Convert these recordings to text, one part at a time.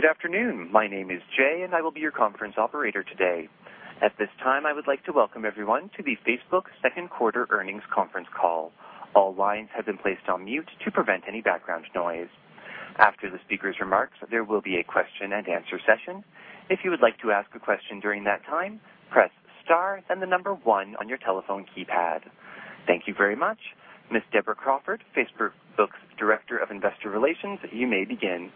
Good afternoon. My name is Jay, and I will be your conference operator today. At this time, I would like to welcome everyone to the Facebook second quarter earnings conference call. All lines have been placed on mute to prevent any background noise. After the speaker's remarks, there will be a question and answer session. If you would like to ask a question during that time, press star and the number one on your telephone keypad. Thank you very much. Ms. Deborah Crawford, Facebook's Director of Investor Relations, you may begin.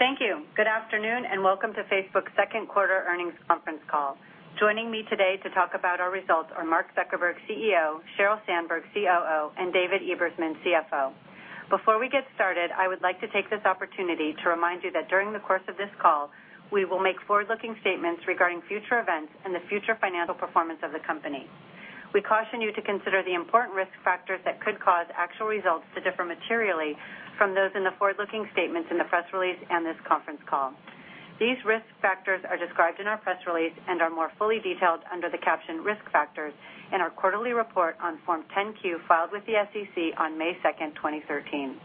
Thank you. Good afternoon, welcome to Facebook's second quarter earnings conference call. Joining me today to talk about our results are Mark Zuckerberg, CEO, Sheryl Sandberg, COO, and David Ebersman, CFO. Before we get started, I would like to take this opportunity to remind you that during the course of this call, we will make forward-looking statements regarding future events and the future financial performance of the company. We caution you to consider the important risk factors that could cause actual results to differ materially from those in the forward-looking statements in the press release and this conference call. These risk factors are described in our press release and are more fully detailed under the caption Risk Factors in our quarterly report on Form 10-Q filed with the SEC on May 2nd, 2013.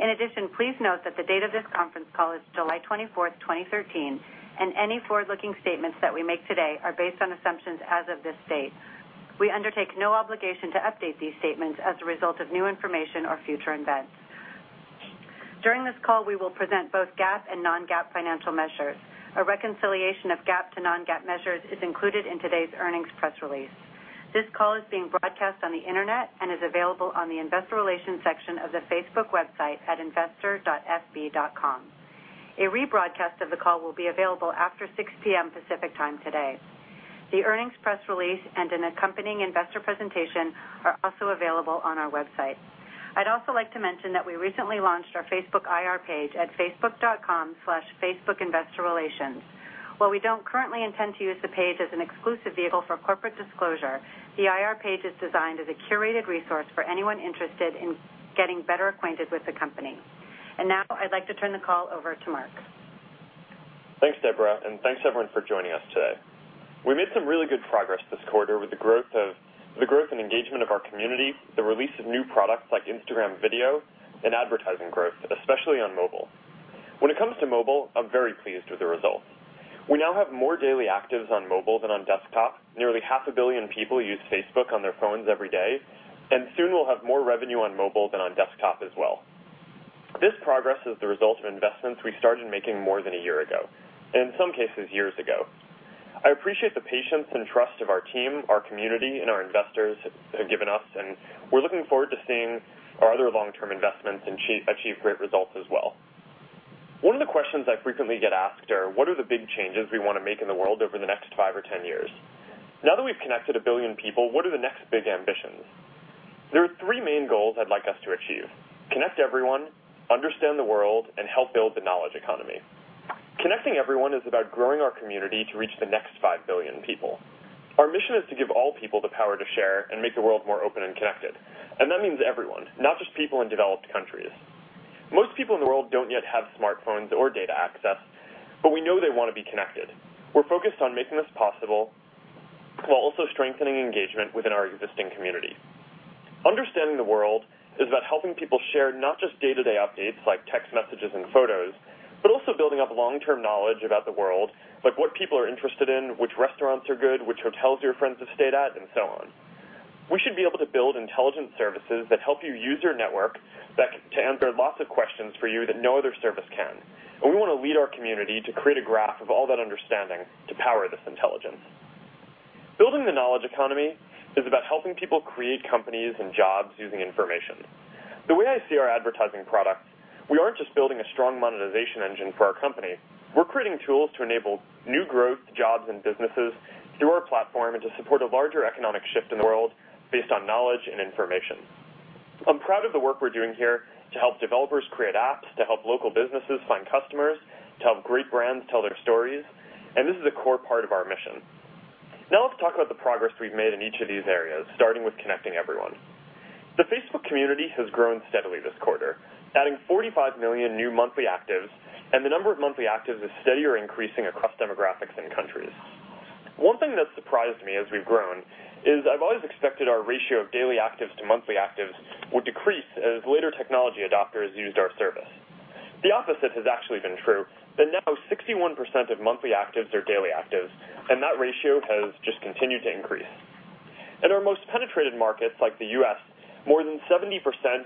In addition, please note that the date of this conference call is July 24th, 2013. Any forward-looking statements that we make today are based on assumptions as of this date. We undertake no obligation to update these statements as a result of new information or future events. During this call, we will present both GAAP and non-GAAP financial measures. A reconciliation of GAAP to non-GAAP measures is included in today's earnings press release. This call is being broadcast on the internet and is available on the investor relations section of the Facebook website at investor.fb.com. A rebroadcast of the call will be available after 6:00 P.M. Pacific Time today. The earnings press release and an accompanying investor presentation are also available on our website. I'd also like to mention that we recently launched our Facebook IR page at facebook.com/facebookinvestorrelations. While we don't currently intend to use the page as an exclusive vehicle for corporate disclosure, the IR page is designed as a curated resource for anyone interested in getting better acquainted with the company. Now, I'd like to turn the call over to Mark. Thanks, Deborah, and thanks, everyone, for joining us today. We made some really good progress this quarter with the growth and engagement of our community, the release of new products like Instagram Video, and advertising growth, especially on mobile. When it comes to mobile, I'm very pleased with the results. We now have more daily actives on mobile than on desktop. Nearly half a billion people use Facebook on their phones every day, and soon we'll have more revenue on mobile than on desktop as well. This progress is the result of investments we started making more than a year ago, and in some cases, years ago. I appreciate the patience and trust of our team, our community, and our investors have given us, and we're looking forward to seeing our other long-term investments achieve great results as well. One of the questions I frequently get asked are, what are the big changes we want to make in the world over the next five or 10 years? Now that we've connected a billion people, what are the next big ambitions? There are three main goals I'd like us to achieve, connect everyone, understand the world, and help build the knowledge economy. Connecting everyone is about growing our community to reach the next five billion people. Our mission is to give all people the power to share and make the world more open and connected. That means everyone, not just people in developed countries. Most people in the world don't yet have smartphones or data access, but we know they want to be connected. We're focused on making this possible while also strengthening engagement within our existing community. Understanding the world is about helping people share not just day-to-day updates like text messages and photos, but also building up long-term knowledge about the world, like what people are interested in, which restaurants are good, which hotels your friends have stayed at, and so on. We should be able to build intelligent services that help you use your network to answer lots of questions for you that no other service can. We want to lead our community to create a graph of all that understanding to power this intelligence. Building the knowledge economy is about helping people create companies and jobs using information. The way I see our advertising products, we aren't just building a strong monetization engine for our company. We're creating tools to enable new growth, jobs, and businesses through our platform and to support a larger economic shift in the world based on knowledge and information. I'm proud of the work we're doing here to help developers create apps, to help local businesses find customers, to help great brands tell their stories, and this is a core part of our mission. Now let's talk about the progress we've made in each of these areas, starting with connecting everyone. The Facebook community has grown steadily this quarter, adding 45 million new monthly actives, and the number of monthly actives is steady or increasing across demographics and countries. One thing that surprised me as we've grown is I've always expected our ratio of daily actives to monthly actives would decrease as later technology adopters used our service. The opposite has actually been true, that now 61% of monthly actives are daily actives, and that ratio has just continued to increase. In our most penetrated markets, like the U.S., more than 70%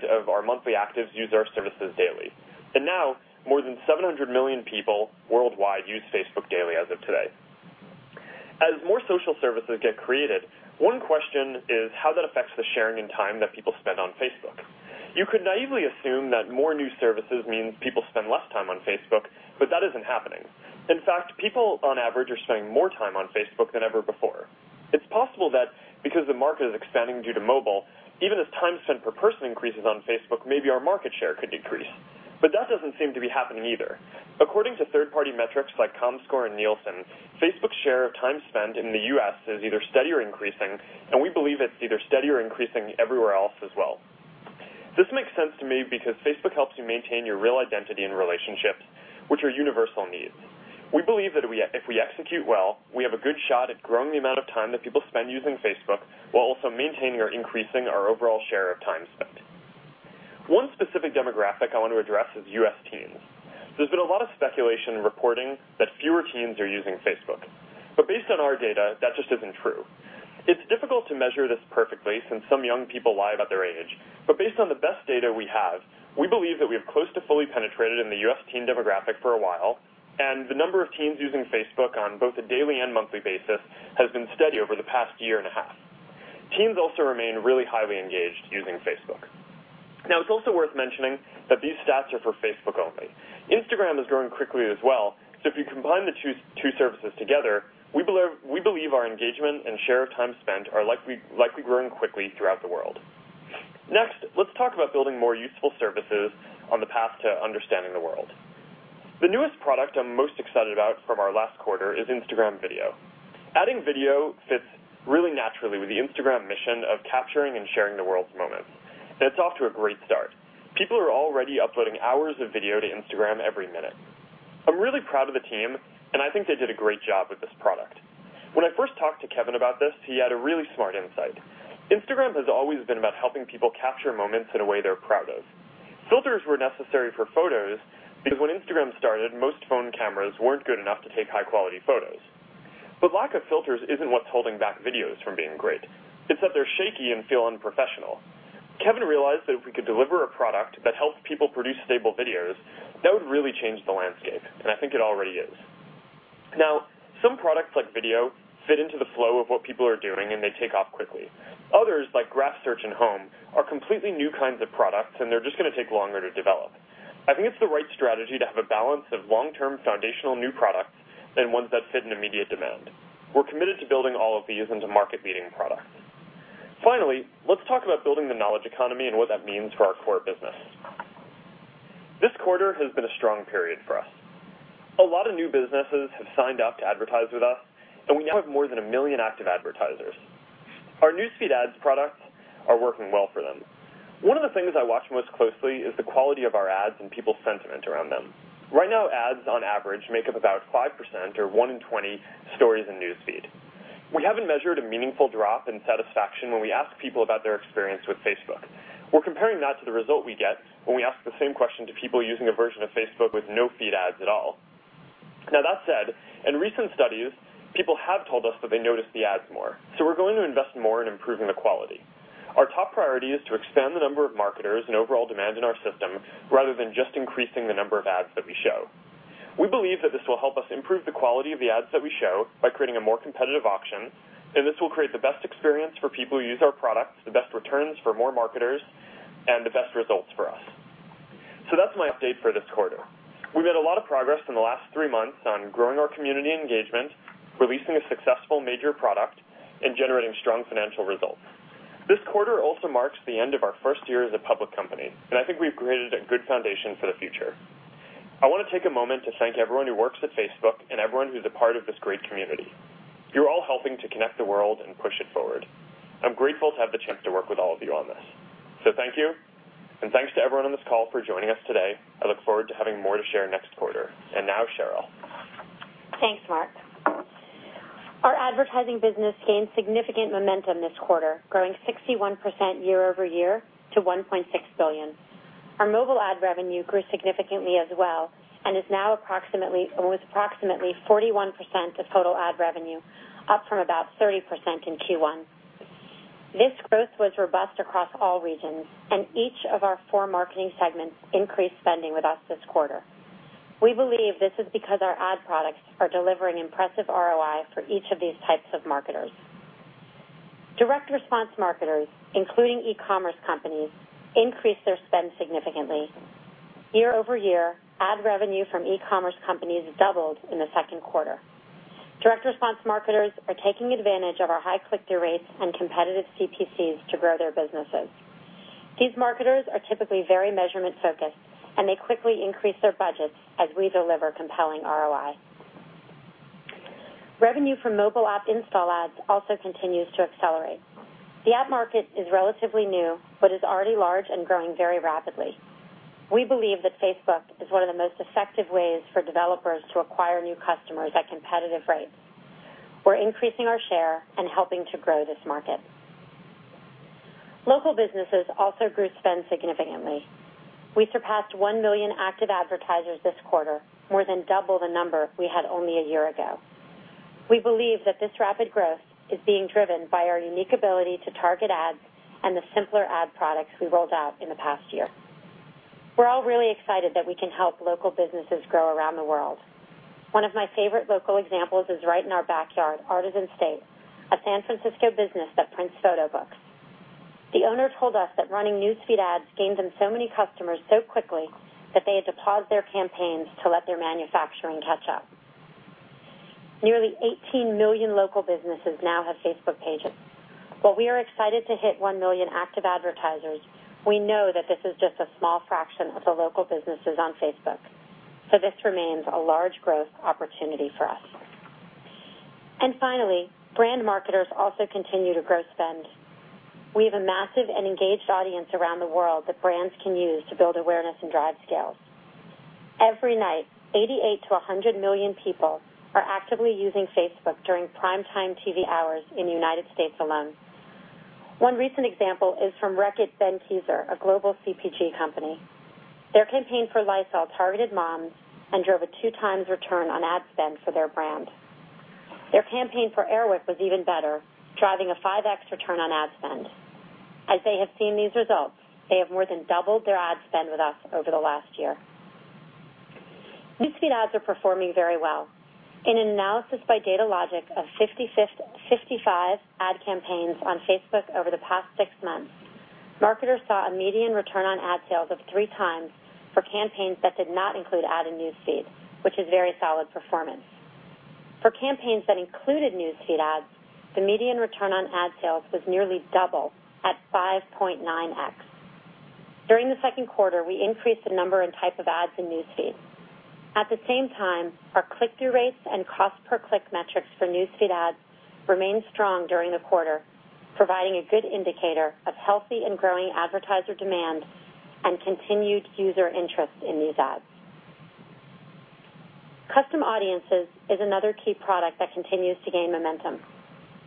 of our monthly actives use our services daily. And now, more than 700 million people worldwide use Facebook daily as of today. As more social services get created, one question is how that affects the sharing and time that people spend on Facebook. You could naively assume that more new services means people spend less time on Facebook, but that isn't happening. In fact, people, on average, are spending more time on Facebook than ever before. It's possible that because the market is expanding due to mobile, even as time spent per person increases on Facebook, maybe our market share could decrease. But that doesn't seem to be happening either. According to third-party metrics like Comscore and Nielsen, Facebook's share of time spent in the U.S. is either steady or increasing, and we believe it's either steady or increasing everywhere else as well. This makes sense to me because Facebook helps you maintain your real identity and relationships, which are universal needs. We believe that if we execute well, we have a good shot at growing the amount of time that people spend using Facebook, while also maintaining or increasing our overall share of time spent. One specific demographic I want to address is U.S. teens. There's been a lot of speculation and reporting that fewer teens are using Facebook, but based on our data, that just isn't true. It's difficult to measure this perfectly since some young people lie about their age, but based on the best data we have, we believe that we have close to fully penetrated in the U.S. teen demographic for a while, and the number of teens using Facebook on both a daily and monthly basis has been steady over the past year and a half. Teens also remain really highly engaged using Facebook. Now, it's also worth mentioning that these stats are for Facebook only. Instagram is growing quickly as well, so if you combine the two services together, we believe our engagement and share of time spent are likely growing quickly throughout the world. Let's talk about building more useful services on the path to understanding the world. The newest product I'm most excited about from our last quarter is Instagram Video. Adding video fits really naturally with the Instagram mission of capturing and sharing the world's moments, and it's off to a great start. People are already uploading hours of video to Instagram every minute. I'm really proud of the team, and I think they did a great job with this product. When I first talked to Kevin about this, he had a really smart insight. Instagram has always been about helping people capture moments in a way they're proud of. Filters were necessary for photos because when Instagram started, most phone cameras weren't good enough to take high-quality photos. But lack of filters isn't what's holding back videos from being great. It's that they're shaky and feel unprofessional. Kevin realized that if we could deliver a product that helps people produce stable videos, that would really change the landscape, and I think it already is. Some products, like video, fit into the flow of what people are doing, and they take off quickly. Others, like Graph Search and Home, are completely new kinds of products, and they're just going to take longer to develop. I think it's the right strategy to have a balance of long-term foundational new products and ones that fit into immediate demand. We're committed to building all of these into market-leading products. Let's talk about building the knowledge economy and what that means for our core business. This quarter has been a strong period for us. A lot of new businesses have signed up to advertise with us, and we now have more than a million active advertisers. Our News Feed ads products are working well for them. One of the things I watch most closely is the quality of our ads and people's sentiment around them. Right now, ads, on average, make up about 5%, or one in 20, stories in News Feed. We haven't measured a meaningful drop in satisfaction when we ask people about their experience with Facebook. We're comparing that to the result we get when we ask the same question to people using a version of Facebook with no Feed ads at all. That said, in recent studies, people have told us that they notice the ads more. We're going to invest more in improving the quality. Our top priority is to expand the number of marketers and overall demand in our system rather than just increasing the number of ads that we show. We believe that this will help us improve the quality of the ads that we show by creating a more competitive auction, and this will create the best experience for people who use our products, the best returns for more marketers, and the best results for us. That's my update for this quarter. We've made a lot of progress in the last three months on growing our community engagement, releasing a successful major product, and generating strong financial results. This quarter also marks the end of our first year as a public company, and I think we've created a good foundation for the future. I want to take a moment to thank everyone who works at Facebook and everyone who's a part of this great community. You're all helping to connect the world and push it forward. I'm grateful to have the chance to work with all of you on this. Thank you, and thanks to everyone on this call for joining us today. I look forward to having more to share next quarter. Now, Sheryl. Thanks, Mark. Our advertising business gained significant momentum this quarter, growing 61% year-over-year to $1.6 billion. Our mobile ad revenue grew significantly as well, and was approximately 41% of total ad revenue, up from about 30% in Q1. This growth was robust across all regions, and each of our four marketing segments increased spending with us this quarter. We believe this is because our ad products are delivering impressive ROI for each of these types of marketers. Direct response marketers, including e-commerce companies, increased their spend significantly. Year-over-year, ad revenue from e-commerce companies doubled in the second quarter. Direct response marketers are taking advantage of our high click-through rates and competitive CPCs to grow their businesses. These marketers are typically very measurement-focused, and they quickly increase their budgets as we deliver compelling ROI. Revenue from mobile app install ads also continues to accelerate. The app market is relatively new but is already large and growing very rapidly. We believe that Facebook is one of the most effective ways for developers to acquire new customers at competitive rates. We're increasing our share and helping to grow this market. Local businesses also grew spend significantly. We surpassed 1 million active advertisers this quarter, more than double the number we had only a year ago. We believe that this rapid growth is being driven by our unique ability to target ads and the simpler ad products we rolled out in the past year. We're all really excited that we can help local businesses grow around the world. One of my favorite local examples is right in our backyard, Artisan State, a San Francisco business that prints photo books. The owner told us that running News Feed ads gained them so many customers so quickly that they had to pause their campaigns to let their manufacturing catch up. Nearly 18 million local businesses now have Facebook pages. While we are excited to hit 1 million active advertisers, we know that this is just a small fraction of the local businesses on Facebook. This remains a large growth opportunity for us. Finally, brand marketers also continue to grow spend. We have a massive and engaged audience around the world that brands can use to build awareness and drive scales. Every night, 88 million to 100 million people are actively using Facebook during prime time TV hours in the U.S. alone. One recent example is from Reckitt Benckiser, a global CPG company. Their campaign for Lysol targeted moms and drove a 2x return on ad spend for their brand. Their campaign for Air Wick was even better, driving a 5x return on ad spend. As they have seen these results, they have more than doubled their ad spend with us over the last year. News Feed ads are performing very well. In an analysis by Datalogix of 55 ad campaigns on Facebook over the past six months, marketers saw a median return on ad sales of 3x for campaigns that did not include ad and News Feed, which is very solid performance. For campaigns that included News Feed ads, the median return on ad sales was nearly double at 5.9x. During the second quarter, we increased the number and type of ads in News Feed. At the same time, our click-through rates and cost per click metrics for News Feed ads remained strong during the quarter, providing a good indicator of healthy and growing advertiser demand and continued user interest in these ads. Custom Audiences is another key product that continues to gain momentum.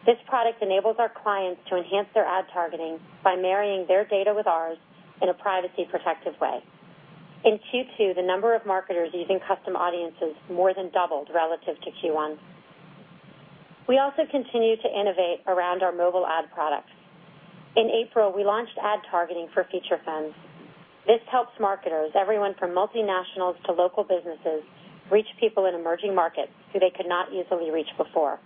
This product enables our clients to enhance their ad targeting by marrying their data with ours in a privacy-protective way. In Q2, the number of marketers using Custom Audiences more than doubled relative to Q1. We also continue to innovate around our mobile ad products. In April, we launched ad targeting for feature phones. This helps marketers, everyone from multinationals to local businesses, reach people in emerging markets who they could not easily reach before.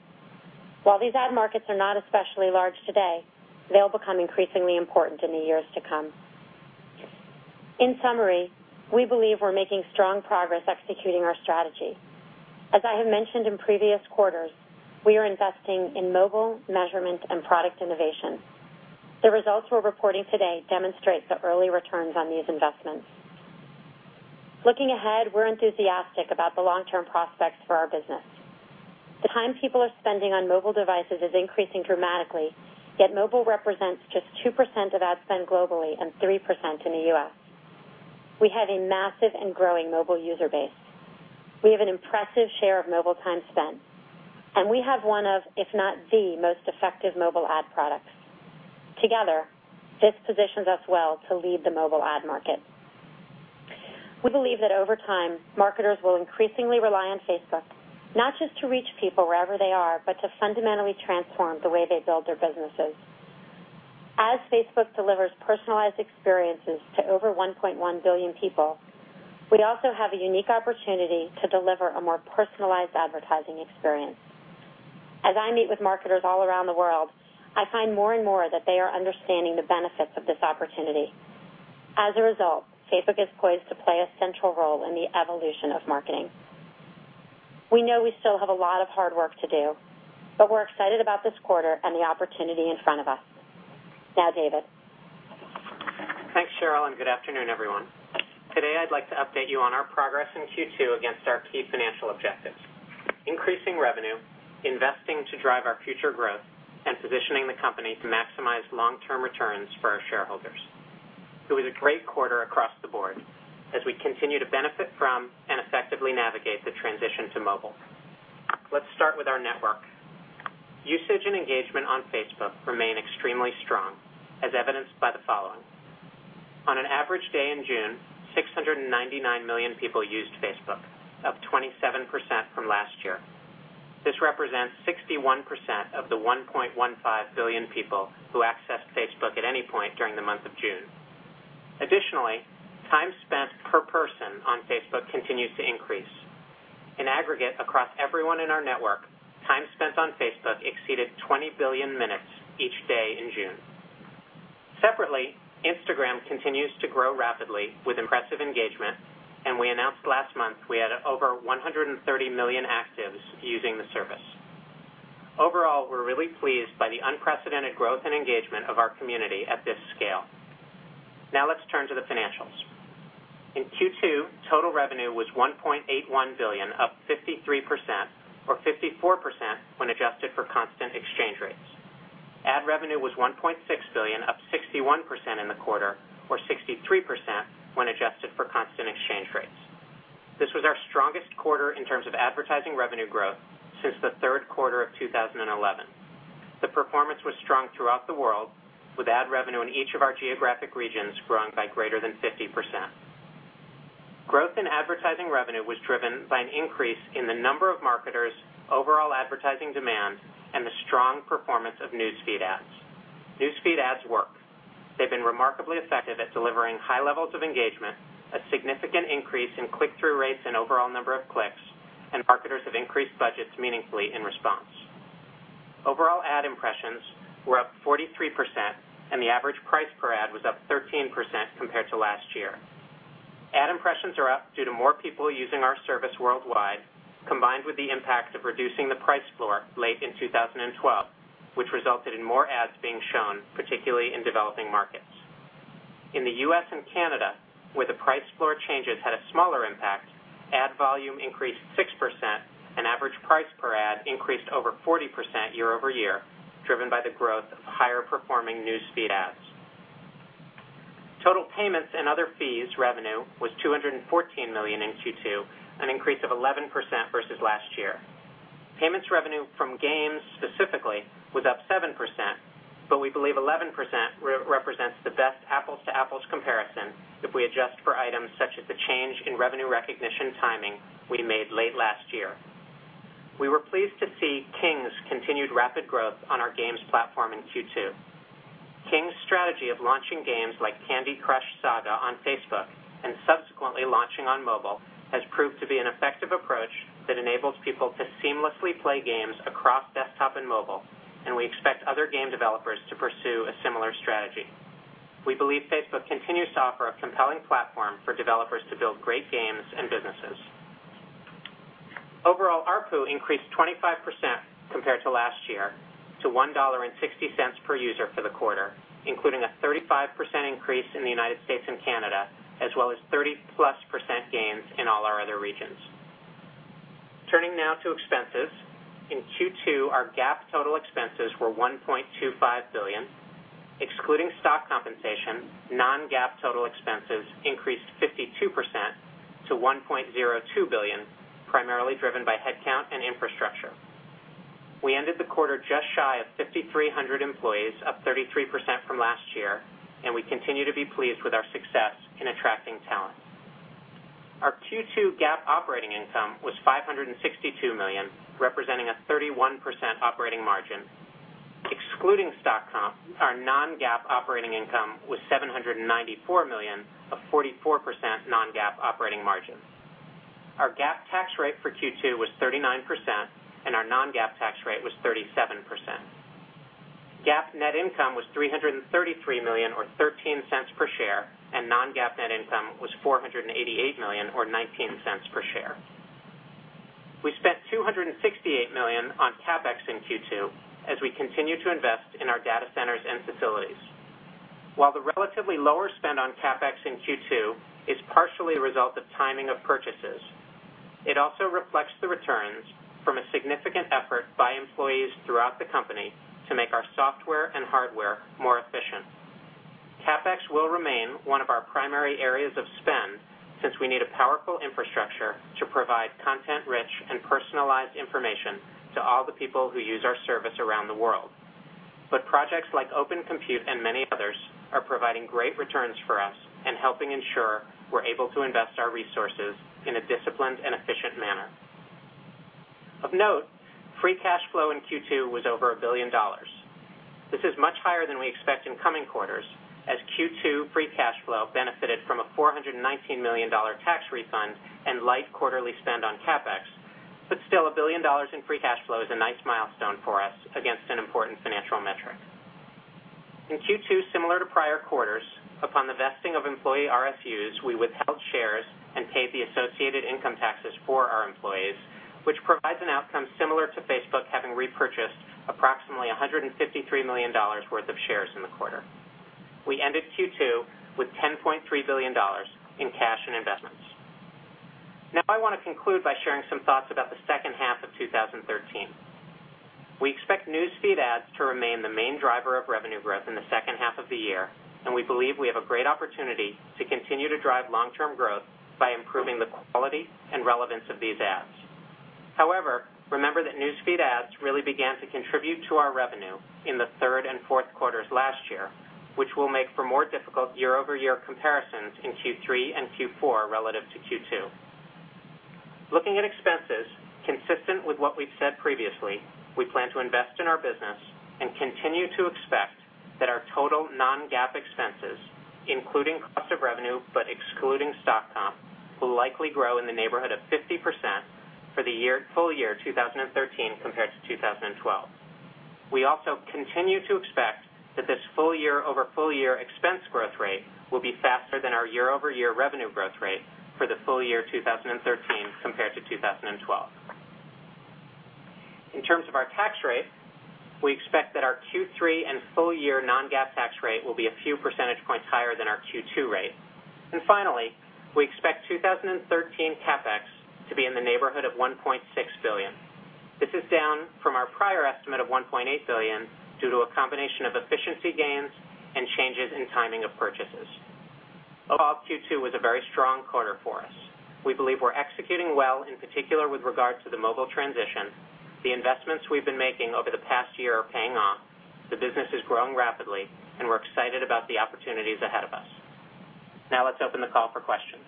While these ad markets are not especially large today, they'll become increasingly important in the years to come. In summary, we believe we're making strong progress executing our strategy. As I have mentioned in previous quarters, we are investing in mobile, measurement, and product innovation. The results we're reporting today demonstrate the early returns on these investments. Looking ahead, we're enthusiastic about the long-term prospects for our business. The time people are spending on mobile devices is increasing dramatically, yet mobile represents just 2% of ad spend globally and 3% in the U.S. We have a massive and growing mobile user base. We have an impressive share of mobile time spent, and we have one of, if not the, most effective mobile ad products. Together, this positions us well to lead the mobile ad market. We believe that over time, marketers will increasingly rely on Facebook, not just to reach people wherever they are, but to fundamentally transform the way they build their businesses. As Facebook delivers personalized experiences to over 1.1 billion people, we also have a unique opportunity to deliver a more personalized advertising experience. As I meet with marketers all around the world, I find more and more that they are understanding the benefits of this opportunity. As a result, Facebook is poised to play a central role in the evolution of marketing. We know we still have a lot of hard work to do, but we're excited about this quarter and the opportunity in front of us. Now, David. Thanks, Sheryl, and good afternoon, everyone. Today, I'd like to update you on our progress in Q2 against our key financial objectives: increasing revenue, investing to drive our future growth, and positioning the company to maximize long-term returns for our shareholders. It was a great quarter across the board as we continue to benefit from and effectively navigate the transition to mobile. Let's start with our network. Usage and engagement on Facebook remain extremely strong, as evidenced by the following. On an average day in June, 699 million people used Facebook, up 27% from last year. This represents 61% of the 1.15 billion people who accessed Facebook at any point during the month of June. Additionally, time spent per person on Facebook continues to increase. In aggregate across everyone in our network, time spent on Facebook exceeded 20 billion minutes each day in June. Separately, Instagram continues to grow rapidly with impressive engagement, and we announced last month we had over 130 million actives using the service. Overall, we're really pleased by the unprecedented growth and engagement of our community at this scale. Now let's turn to the financials. In Q2, total revenue was $1.81 billion, up 53%, or 54% when adjusted for constant exchange rates. Ad revenue was $1.6 billion, up 61% in the quarter, or 63% when adjusted for constant exchange rates. This was our strongest quarter in terms of advertising revenue growth since the third quarter of 2011. The performance was strong throughout the world, with ad revenue in each of our geographic regions growing by greater than 50%. Growth in advertising revenue was driven by an increase in the number of marketers, overall advertising demand, and the strong performance of News Feed ads. News Feed ads work. They've been remarkably effective at delivering high levels of engagement, a significant increase in click-through rates and overall number of clicks, and marketers have increased budgets meaningfully in response. Overall ad impressions were up 43%, and the average price per ad was up 13% compared to last year. Ad impressions are up due to more people using our service worldwide, combined with the impact of reducing the price floor late in 2012, which resulted in more ads being shown, particularly in developing markets. Ad volume increased 6%, and average price per ad increased over 40% year-over-year, driven by the growth of higher-performing News Feed ads. Total payments and other fees revenue was $214 million in Q2, an increase of 11% versus last year. Payments revenue from games specifically was up 7%, but we believe 11% represents the best apples-to-apples comparison if we adjust for items such as the change in revenue recognition timing we made late last year. We were pleased to see King's continued rapid growth on our games platform in Q2. King's strategy of launching games like "Candy Crush Saga" on Facebook, and subsequently launching on mobile, has proved to be an effective approach that enables people to seamlessly play games across desktop and mobile, and we expect other game developers to pursue a similar strategy. We believe Facebook continues to offer a compelling platform for developers to build great games and businesses. Overall, ARPU increased 25% compared to last year to $1.60 per user for the quarter, including a 35% increase in the U.S. and Canada, as well as 30-plus percent gains in all our other regions. Turning now to expenses. In Q2, our GAAP total expenses were $1.25 billion. Excluding stock compensation, non-GAAP total expenses increased 52% to $1.02 billion, primarily driven by headcount and infrastructure. We ended the quarter just shy of 5,300 employees, up 33% from last year, and we continue to be pleased with our success in attracting talent. Our Q2 GAAP operating income was $562 million, representing a 31% operating margin. Excluding stock comp, our non-GAAP operating income was $794 million, a 44% non-GAAP operating margin. Our GAAP tax rate for Q2 was 39%, and our non-GAAP tax rate was 37%. GAAP net income was $333 million or $0.13 per share, and non-GAAP net income was $488 million or $0.19 per share. We spent $268 million on CapEx in Q2 as we continue to invest in our data centers and facilities. While the relatively lower spend on CapEx in Q2 is partially a result of timing of purchases, it also reflects the returns from a significant effort by employees throughout the company to make our software and hardware more efficient. CapEx will remain one of our primary areas of spend since we need a powerful infrastructure to provide content-rich and personalized information to all the people who use our service around the world. Projects like Open Compute and many others are providing great returns for us and helping ensure we are able to invest our resources in a disciplined and efficient manner. Of note, free cash flow in Q2 was over $1 billion. This is much higher than we expect in coming quarters, as Q2 free cash flow benefited from a $419 million tax refund and light quarterly spend on CapEx. Still, $1 billion in free cash flow is a nice milestone for us against an important financial metric. In Q2, similar to prior quarters, upon the vesting of employee RSUs, we withheld shares and paid the associated income taxes for our employees, which provides an outcome similar to Facebook having repurchased approximately $153 million worth of shares in the quarter. We ended Q2 with $10.3 billion in cash and investments. Now, I want to conclude by sharing some thoughts about the second half of 2013. We expect News Feed ads to remain the main driver of revenue growth in the second half of the year, and we believe we have a great opportunity to continue to drive long-term growth by improving the quality and relevance of these ads. However, remember that News Feed ads really began to contribute to our revenue in the third and fourth quarters last year, which will make for more difficult year-over-year comparisons in Q3 and Q4 relative to Q2. Looking at expenses, consistent with what we have said previously, we plan to invest in our business and continue to expect that our total non-GAAP expenses, including cost of revenue, but excluding stock comp, will likely grow in the neighborhood of 50% for the full year 2013 compared to 2012. We also continue to expect that this full year-over-full year expense growth rate will be faster than our year-over-year revenue growth rate for the full year 2013 compared to 2012. In terms of our tax rate, we expect that our Q3 and full year non-GAAP tax rate will be a few percentage points higher than our Q2 rate. Finally, we expect 2013 CapEx to be in the neighborhood of $1.6 billion. This is down from our prior estimate of $1.8 billion due to a combination of efficiency gains and changes in timing of purchases. Overall, Q2 was a very strong quarter for us. We believe we are executing well, in particular with regard to the mobile transition. The investments we have been making over the past year are paying off. The business is growing rapidly, and we are excited about the opportunities ahead of us. Now let us open the call for questions.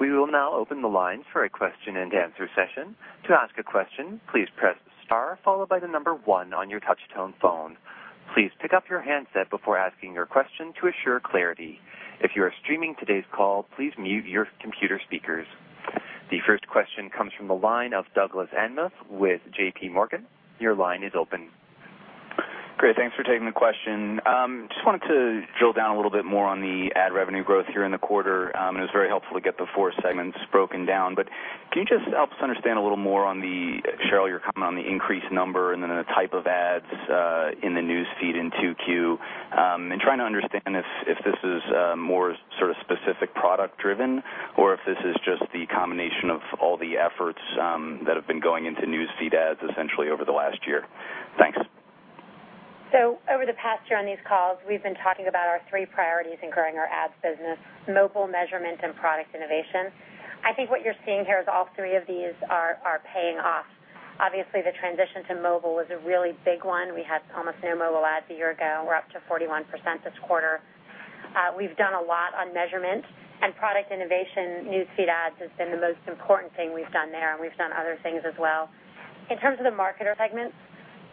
We will now open the line for a question-and-answer session. To ask a question, please press star 1 on your touchtone phone. Please pick up your handset before asking your question to assure clarity. If you are streaming today's call, please mute your computer speakers. The first question comes from the line of Douglas Anmuth with JPMorgan. Your line is open. Great. Thanks for taking the question. Just wanted to drill down a little bit more on the ad revenue growth here in the quarter, it was very helpful to get the 4 segments broken down. Can you just help us understand a little more on the, Sheryl, your comment on the increased number and then the type of ads in the News Feed in 2Q, I'm trying to understand if this is more sort of specific product driven or if this is just the combination of all the efforts that have been going into News Feed ads essentially over the last year. Thanks. Over the past year on these calls, we've been talking about our 3 priorities in growing our ads business, mobile measurement and product innovation. I think what you're seeing here is all 3 of these are paying off. Obviously, the transition to mobile was a really big one. We had almost no mobile ads a year ago, and we're up to 41% this quarter. We've done a lot on measurement and product innovation. News Feed ads has been the most important thing we've done there, and we've done other things as well. In terms of the marketer segments,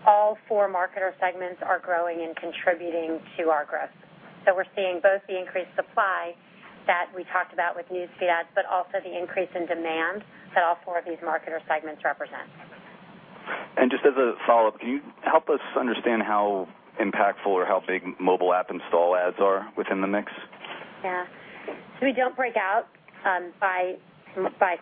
all 4 marketer segments are growing and contributing to our growth. We're seeing both the increased supply that we talked about with News Feed ads, but also the increase in demand that all 4 of these marketer segments represent. Just as a follow-up, can you help us understand how impactful or how big Mobile app install ads are within the mix? We don't break out by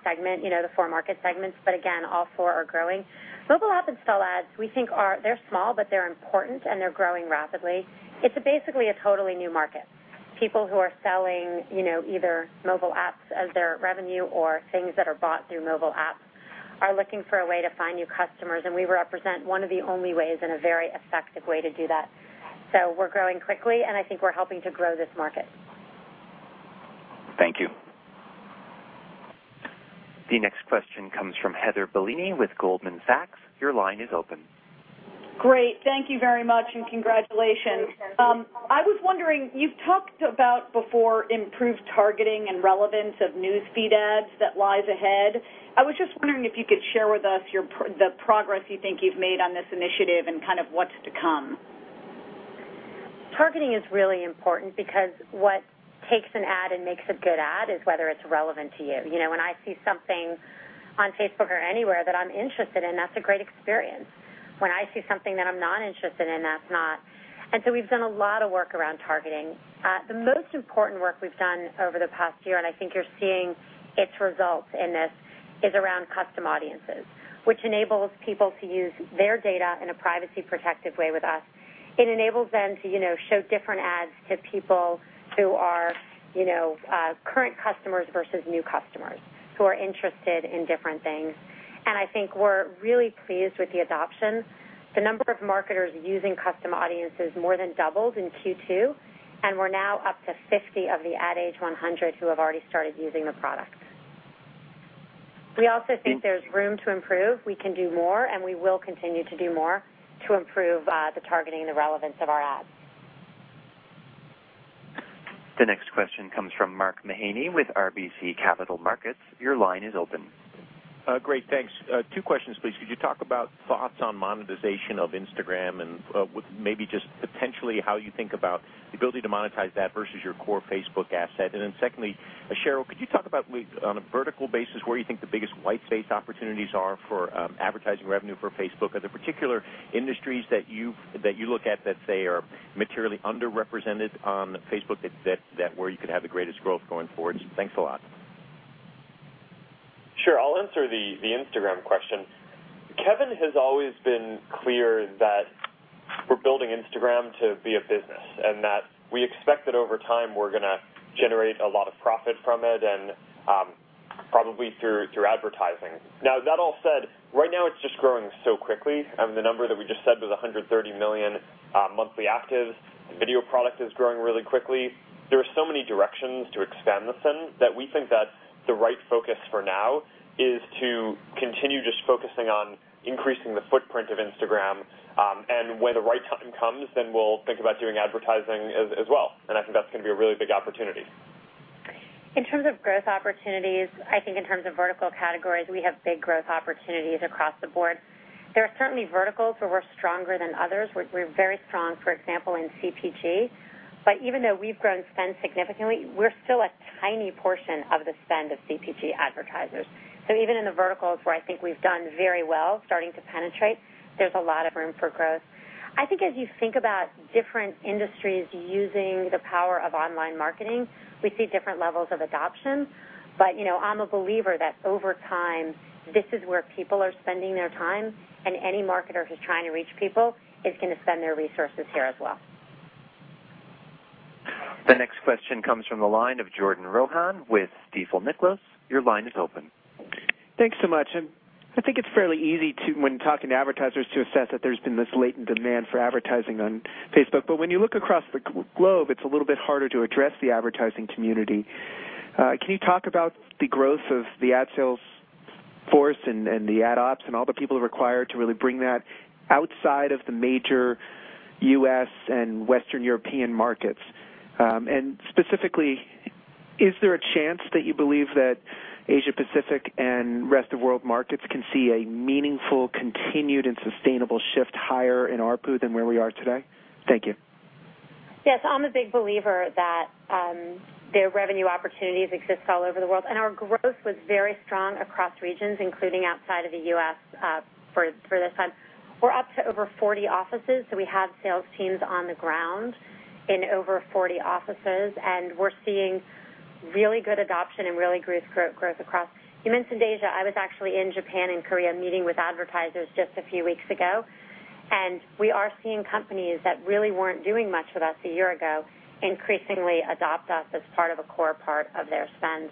segment, the four marketer segments, but again, all four are growing. Mobile app install ads we think are small, but they're important, and they're growing rapidly. It's basically a totally new market. People who are selling, either mobile apps as their revenue or things that are bought through mobile apps are looking for a way to find new customers, and we represent one of the only ways and a very effective way to do that. We're growing quickly, and I think we're helping to grow this market. Thank you. The next question comes from Heather Bellini with Goldman Sachs. Your line is open. Great. Thank you very much, and congratulations. I was wondering, you've talked about before improved targeting and relevance of News Feed ads that lies ahead. I was just wondering if you could share with us the progress you think you've made on this initiative and kind of what's to come. Targeting is really important because what takes an ad and makes a good ad is whether it's relevant to you. When I see something on Facebook or anywhere that I'm interested in, that's a great experience. When I see something that I'm not interested in, that's not. We've done a lot of work around targeting. The most important work we've done over the past year, and I think you're seeing its results in this, is around Custom Audiences, which enables people to use their data in a privacy-protective way with us. It enables them to show different ads to people who are current customers versus new customers who are interested in different things. I think we're really pleased with the adoption. The number of marketers using Custom Audiences more than doubled in Q2, and we're now up to 50 of the Ad Age 100 who have already started using the product. We also think there's room to improve. We can do more, and we will continue to do more to improve the targeting and the relevance of our ads. The next question comes from Mark Mahaney with RBC Capital Markets. Your line is open. Great. Thanks. Two questions, please. Could you talk about thoughts on monetization of Instagram and maybe just potentially how you think about the ability to monetize that versus your core Facebook asset? Secondly, Sheryl, could you talk about, on a vertical basis, where you think the biggest white space opportunities are for advertising revenue for Facebook? Are there particular industries that you look at that say are materially underrepresented on Facebook, that where you could have the greatest growth going forward? Thanks a lot. Sure. I'll answer the Instagram question. Kevin has always been clear that we're building Instagram to be a business, that we expect that over time we're going to generate a lot of profit from it and probably through advertising. Now, that all said, right now it's just growing so quickly. The number that we just said was 130 million monthly actives. The video product is growing really quickly. There are so many directions to expand this in that we think that the right focus for now is to continue just focusing on increasing the footprint of Instagram. When the right time comes, then we'll think about doing advertising as well, I think that's going to be a really big opportunity. In terms of growth opportunities, I think in terms of vertical categories, we have big growth opportunities across the board. There are certainly verticals where we're stronger than others. We're very strong, for example, in CPG. Even though we've grown spend significantly, we're still a tiny portion of the spend of CPG advertisers. Even in the verticals where I think we've done very well starting to penetrate, there's a lot of room for growth. I think as you think about different industries using the power of online marketing, we see different levels of adoption. I'm a believer that over time, this is where people are spending their time, and any marketer who's trying to reach people is going to spend their resources here as well. The next question comes from the line of Jordan Rohan with Stifel Nicolaus. Your line is open. Thanks so much. I think it's fairly easy when talking to advertisers to assess that there's been this latent demand for advertising on Facebook. When you look across the globe, it's a little bit harder to address the advertising community. Can you talk about the growth of the ad sales force and the ad ops and all the people required to really bring that outside of the major U.S. and Western European markets? Specifically, is there a chance that you believe that Asia-Pacific and rest-of-world markets can see a meaningful, continued, and sustainable shift higher in ARPU than where we are today? Thank you. Yes, I'm a big believer that their revenue opportunities exist all over the world. Our growth was very strong across regions, including outside of the U.S., for this time. We're up to over 40 offices. We have sales teams on the ground in over 40 offices. We're seeing really good adoption and really great growth across. You mentioned Asia. I was actually in Japan and Korea meeting with advertisers just a few weeks ago. We are seeing companies that really weren't doing much with us a year ago, increasingly adopt us as part of a core part of their spend.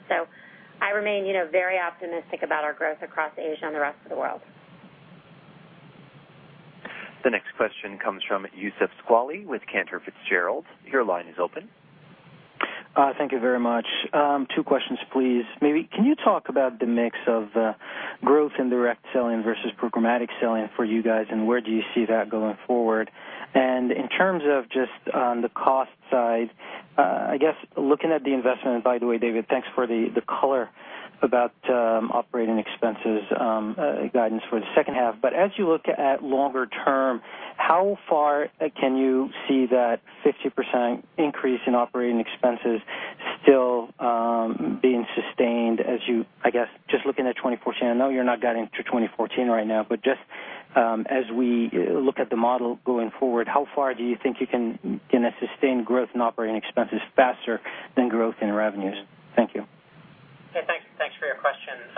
I remain very optimistic about our growth across Asia and the rest of the world. The next question comes from Youssef Squali with Cantor Fitzgerald. Your line is open. Thank you very much. Two questions, please. Maybe, can you talk about the mix of growth in direct selling versus programmatic selling for you guys? Where do you see that going forward? In terms of just on the cost side, I guess looking at the investment, by the way, David, thanks for the color about operating expenses guidance for the second half. As you look at longer term, how far can you see that 50% increase in operating expenses still being sustained as you, I guess, just looking at 2014. I know you're not guiding to 2014 right now. Just as we look at the model going forward, how far do you think you can sustain growth in operating expenses faster than growth in revenues? Thank you.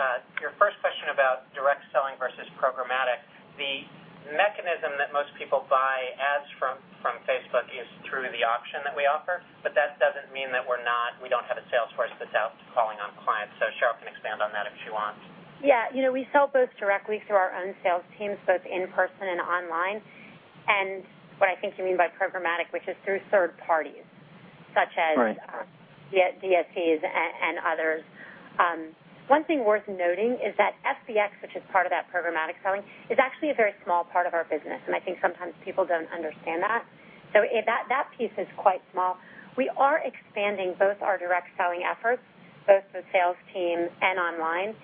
Okay, thanks for your question. Your first question about direct selling versus programmatic. The mechanism that most people buy ads from Facebook is through the auction that we offer, but that doesn't mean that we don't have a sales force that's out calling on clients. Sheryl can expand on that if she wants. Yeah. We sell both directly through our own sales teams, both in person and online. What I think you mean by programmatic, which is through third parties, such as- Right DSPs and others. One thing worth noting is that FBX, which is part of that programmatic selling, is actually a very small part of our business, and I think sometimes people don't understand that. That piece is quite small. We are expanding both our direct selling efforts, both the sales team and online,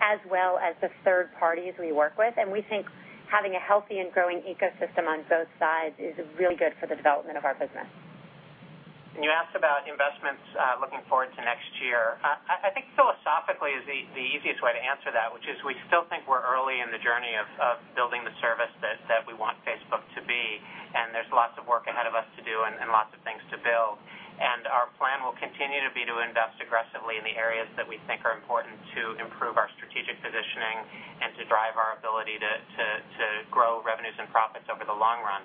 as well as the third parties we work with. We think having a healthy and growing ecosystem on both sides is really good for the development of our business. You asked about investments looking forward to next year. I think philosophically is the easiest way to answer that, which is we still think we're early in the journey of building the service that we want Facebook to be. There's lots of work ahead of us to do and lots of things to build. Our plan will continue to be to invest aggressively in the areas that we think are important to improve our strategic positioning and to drive our ability to grow revenues and profits over the long run.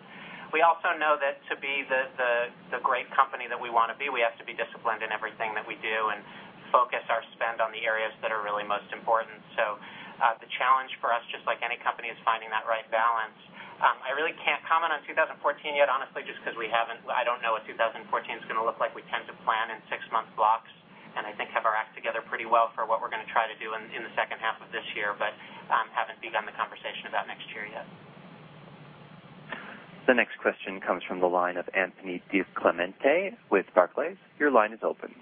We also know that to be the great company that we want to be, we have to be disciplined in everything that we do and focus our spend on the areas that are really most important. The challenge for us, just like any company, is finding that right balance. I really can't comment on 2014 yet, honestly, just because I don't know what 2014's going to look like. We tend to plan in six-month blocks and I think have our act together pretty well for what we're going to try to do in the second half of this year. Haven't begun the conversation about next year yet. The next question comes from the line of Anthony DiClemente with Barclays. Your line is open.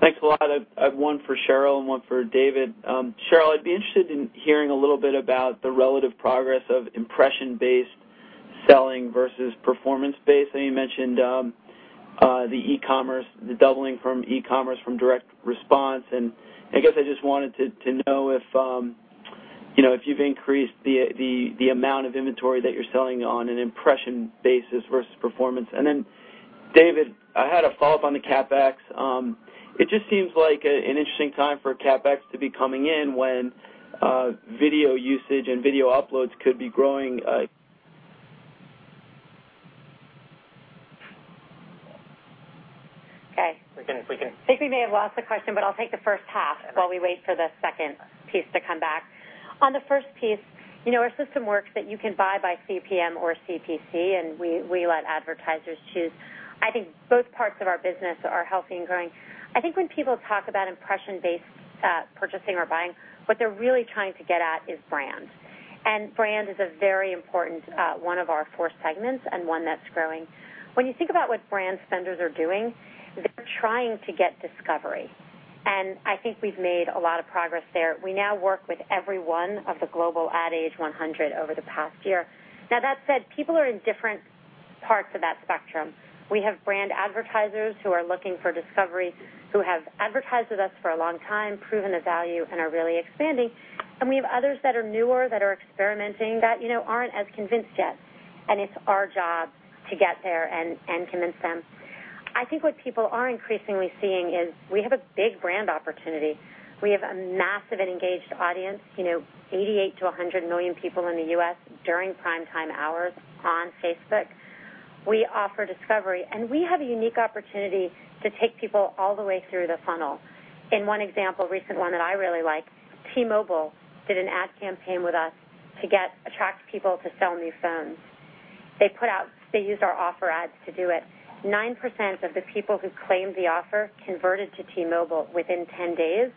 Thanks a lot. I have one for Sheryl and one for David. Sheryl, I'd be interested in hearing a little bit about the relative progress of impression-based selling versus performance-based. I know you mentioned the doubling from e-commerce from direct response, and I guess I just wanted to know if you've increased the amount of inventory that you're selling on an impression basis versus performance. Then David, I had a follow-up on the CapEx. It just seems like an interesting time for CapEx to be coming in when video usage and video uploads could be growing. Okay. If we can- I think we may have lost the question, but I'll take the first half while we wait for the second piece to come back. On the first piece, our system works that you can buy by CPM or CPC, and we let advertisers choose. I think both parts of our business are healthy and growing. I think when people talk about impression-based purchasing or buying, what they're really trying to get at is brand. Brand is a very important one of our four segments, and one that's growing. When you think about what brand spenders are doing, they're trying to get discovery. I think we've made a lot of progress there. We now work with every one of the global Ad Age 100 over the past year. That said, people are in different parts of that spectrum. We have brand advertisers who are looking for discovery, who have advertised with us for a long time, proven the value, and are really expanding. We have others that are newer, that are experimenting, that aren't as convinced yet. It's our job to get there and convince them. I think what people are increasingly seeing is we have a big brand opportunity. We have a massive and engaged audience, 88 to 100 million people in the U.S. during prime time hours on Facebook. We offer discovery, and we have a unique opportunity to take people all the way through the funnel. In one example, a recent one that I really like, T-Mobile did an ad campaign with us to attract people to sell new phones. They used our offer ads to do it. 9% of the people who claimed the offer converted to T-Mobile within 10 days,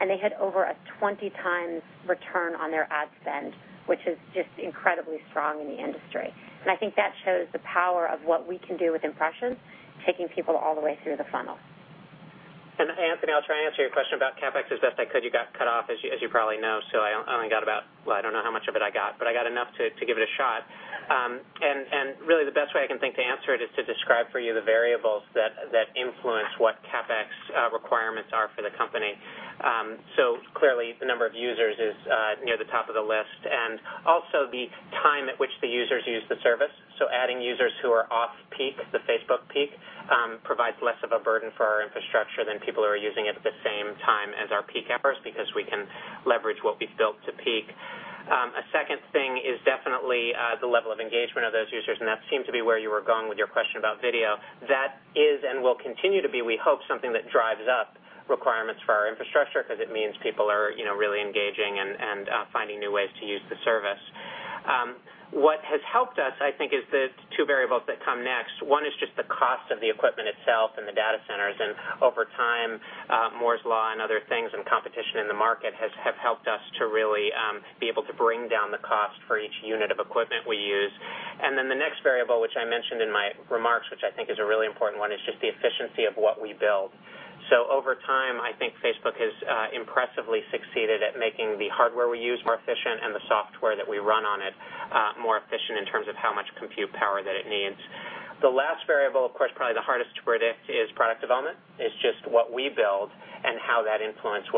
and they had over a 20 times return on their ad spend, which is just incredibly strong in the industry. I think that shows the power of what we can do with impressions, taking people all the way through the funnel. Anthony, I'll try and answer your question about CapEx as best I could. You got cut off, as you probably know, so I only got about, well, I don't know how much of it I got, but I got enough to give it a shot. Really the best way I can think to answer it is to describe for you the variables that influence what CapEx requirements are for the company. Clearly the number of users is near the top of the list, and also the time at which the users use the service. Adding users who are off peak, the Facebook peak, provides less of a burden for our infrastructure than people who are using it at the same time as our peak hours because we can leverage what we've built to peak. A second thing is definitely the level of engagement of those users, and that seemed to be where you were going with your question about video. That is and will continue to be, we hope, something that drives up requirements for our infrastructure because it means people are really engaging and finding new ways to use the service. What has helped us, I think, is the two variables that come next. One is just the cost of the equipment itself and the data centers. Over time, Moore's law and other things and competition in the market have helped us to really be able to bring down the cost for each unit of equipment we use. The next variable, which I mentioned in my remarks, which I think is a really important one, is just the efficiency of what we build. Over time, I think Facebook has impressively succeeded at making the hardware we use more efficient and the software that we run on it more efficient in terms of how much compute power that it needs. The last variable, of course, probably the hardest to predict, is product development, is just what we build and how that influences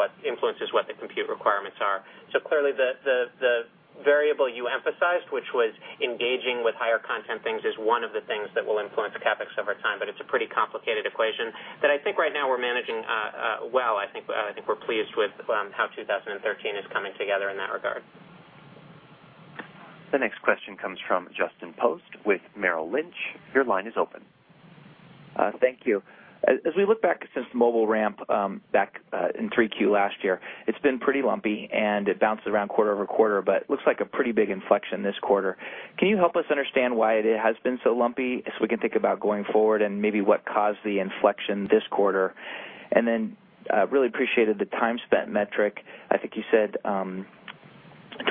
what the compute requirements are. Clearly the variable you emphasized, which was engaging with higher content things, is one of the things that will influence the CapEx over time. It's a pretty complicated equation that I think right now we're managing well. I think we're pleased with how 2013 is coming together in that regard. The next question comes from Justin Post with Merrill Lynch. Your line is open. Thank you. As we look back since mobile ramp back in three Q last year, it's been pretty lumpy and it bounces around quarter-over-quarter, but looks like a pretty big inflection this quarter. Can you help us understand why it has been so lumpy as we can think about going forward and maybe what caused the inflection this quarter? Really appreciated the time spent metric. I think you said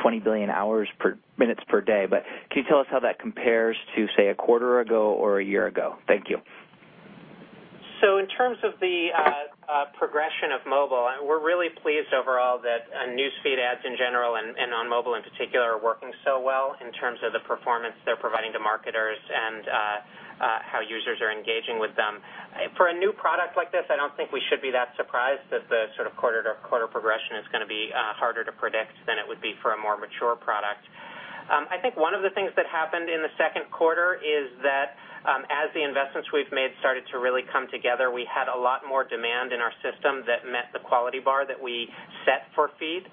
20 billion hours per minutes per day. Can you tell us how that compares to, say, a quarter ago or a year ago? Thank you. In terms of the progression of mobile, we're really pleased overall that News Feed ads in general and on mobile in particular are working so well in terms of the performance they're providing to marketers and how users are engaging with them. For a new product like this, I don't think we should be that surprised that the sort of quarter-to-quarter progression is going to be harder to predict than it would be for a more mature product. I think one of the things that happened in the second quarter is that as the investments we've made started to really come together, we had a lot more demand in our system that met the quality bar that we set for Feed.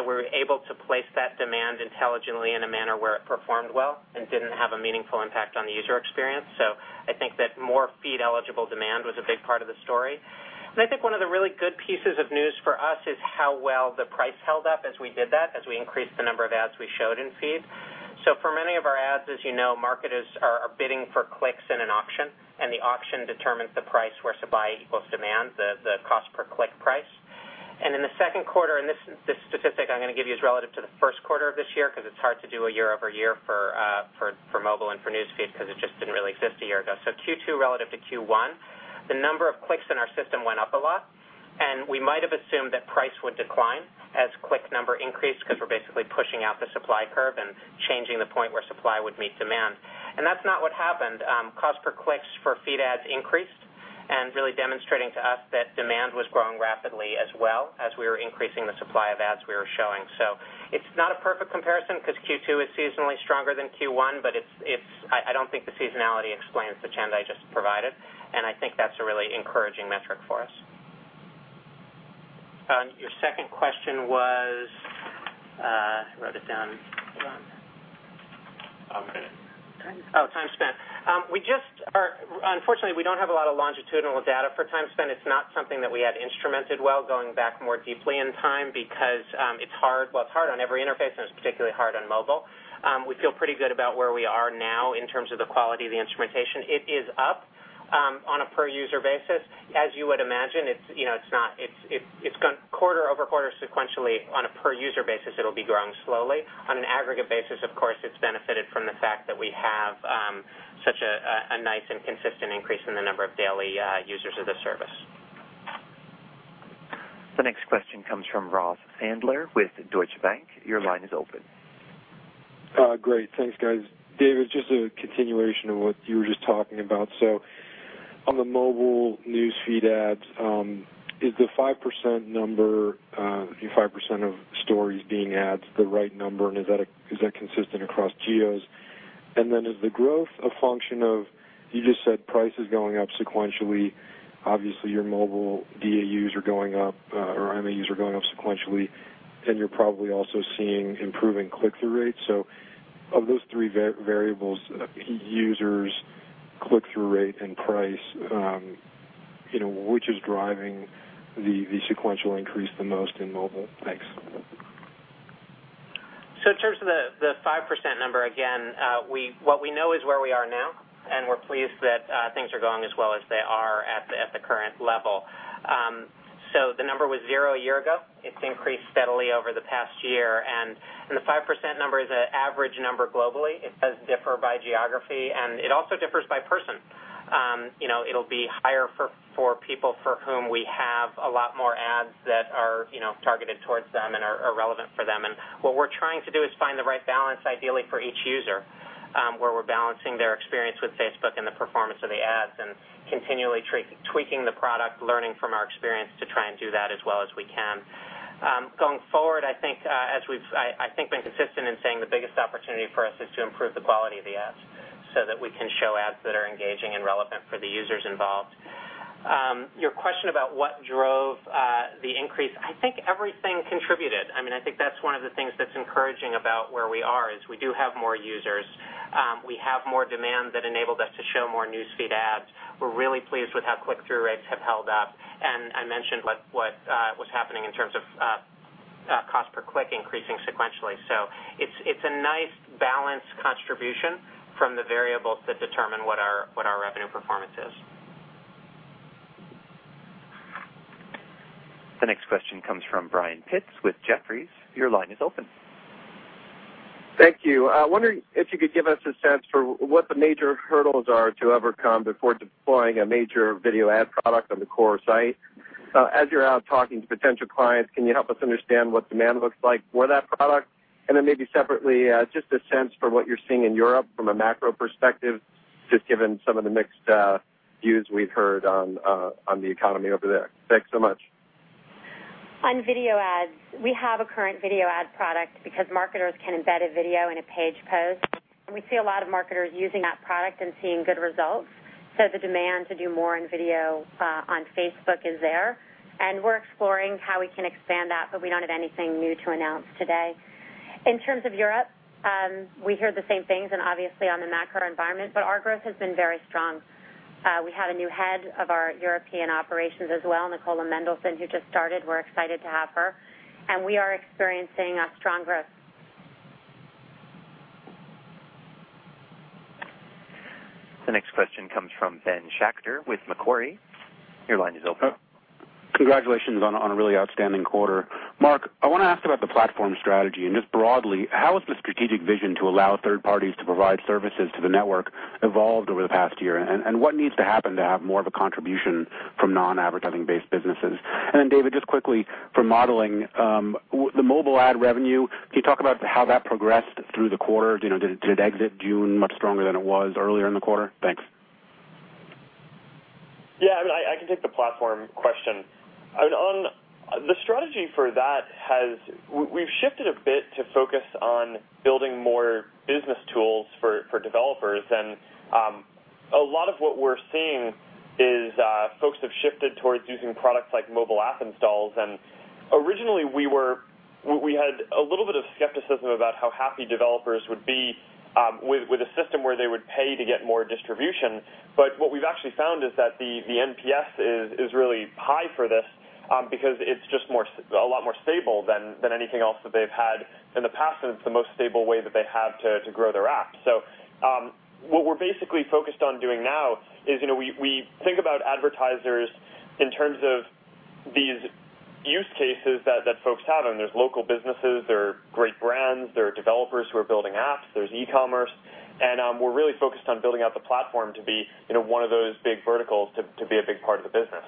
We were able to place that demand intelligently in a manner where it performed well and didn't have a meaningful impact on the user experience. I think that more Feed-eligible demand was a big part of the story. I think one of the really good pieces of news for us is how well the price held up as we did that, as we increased the number of ads we showed in Feed. For many of our ads, as you know, marketers are bidding for clicks in an auction, and the auction determines the price where supply equals demand, the cost per click price. In the second quarter, and this statistic I'm going to give you is relative to the first quarter of this year, because it's hard to do a year-over-year for mobile and for News Feed because it just didn't really exist a year ago. Q2 relative to Q1, the number of clicks in our system went up a lot, and we might have assumed that price would decline as click number increased because we're basically pushing out the supply curve and changing the point where supply would meet demand. That's not what happened. Cost per clicks for Feed ads increased and really demonstrating to us that demand was growing rapidly as well as we were increasing the supply of ads we were showing. It's not a perfect comparison because Q2 is seasonally stronger than Q1, but I don't think the seasonality explains the trend I just provided, and I think that's a really encouraging metric for us. Your second question was, I wrote it down. Hold on. Minute. Time spent. Unfortunately we don't have a lot of longitudinal data for time spent. It's not something that we had instrumented well going back more deeply in time because it's hard. It's hard on every interface, and it's particularly hard on mobile. We feel pretty good about where we are now in terms of the quality of the instrumentation. It is up on a per user basis. As you would imagine, quarter-over-quarter sequentially on a per user basis, it'll be growing slowly. On an aggregate basis, of course, it's benefited from the fact that we have such a nice and consistent increase in the number of daily users of the service. The next question comes from Ross Sandler with Deutsche Bank. Your line is open. Great. Thanks, guys. David, just a continuation of what you were just talking about. On the mobile News Feed ads, is the 5% number, 5% of stories being ads the right number and is that consistent across geos? Is the growth a function of, you just said price is going up sequentially. Obviously your mobile DAUs are going up or MAUs are going up sequentially, and you're probably also seeing improving click-through rates. Of those three variables, users, click-through rate, and price, which is driving the sequential increase the most in mobile? Thanks. In terms of the 5% number, again, what we know is where we are now, and we're pleased that things are going as well as they are at the current level. The number was 0 a year ago. It's increased steadily over the past year. The 5% number is an average number globally. It does differ by geography, and it also differs by person. It'll be higher for people for whom we have a lot more ads that are targeted towards them and are relevant for them. What we're trying to do is find the right balance, ideally for each user, where we're balancing their experience with Facebook and the performance of the ads and continually tweaking the product, learning from our experience to try and do that as well as we can. Going forward, I think, as we've been consistent in saying the biggest opportunity for us is to improve the quality of the ads so that we can show ads that are engaging and relevant for the users involved. Your question about what drove the increase, I think everything contributed. I think that's one of the things that's encouraging about where we are, is we do have more users. We have more demand that enabled us to show more News Feed ads. We're really pleased with how click-through rates have held up. I mentioned what was happening in terms of cost per click increasing sequentially. It's a nice balanced contribution from the variables that determine what our revenue performance is. The next question comes from Brian Pitz with Jefferies. Your line is open. Thank you. I wonder if you could give us a sense for what the major hurdles are to overcome before deploying a major video ad product on the core site. As you're out talking to potential clients, can you help us understand what demand looks like for that product? Then maybe separately, just a sense for what you're seeing in Europe from a macro perspective, just given some of the mixed views we've heard on the economy over there. Thanks so much. On video ads, we have a current video ad product because marketers can embed a video in a page post. We see a lot of marketers using that product and seeing good results. The demand to do more on video on Facebook is there, and we're exploring how we can expand that, but we don't have anything new to announce today. In terms of Europe, we hear the same things, and obviously on the macro environment, but our growth has been very strong. We have a new head of our European operations as well, Nicola Mendelsohn, who just started. We're excited to have her. We are experiencing a strong growth. The next question comes from Ben Schachter with Macquarie. Your line is open. Congratulations on a really outstanding quarter. Mark, I want to ask about the platform strategy. Just broadly, how has the strategic vision to allow third parties to provide services to the network evolved over the past year? What needs to happen to have more of a contribution from non-advertising-based businesses? David, just quickly for modeling, the mobile ad revenue, can you talk about how that progressed through the quarter? Did it exit June much stronger than it was earlier in the quarter? Thanks. I can take the platform question. The strategy for that has, we've shifted a bit to focus on building more business tools for developers. A lot of what we're seeing is folks have shifted towards using products like mobile app installs. Originally we had a little bit of skepticism about how happy developers would be with a system where they would pay to get more distribution. What we've actually found is that the NPS is really high for this because it's just a lot more stable than anything else that they've had in the past, and it's the most stable way that they have to grow their app. What we're basically focused on doing now is we think about advertisers in terms of these use cases that folks have. There's local businesses, there are great brands, there are developers who are building apps, there's e-commerce. We're really focused on building out the platform to be one of those big verticals to be a big part of the business.